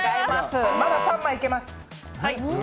まだ３枚いけます。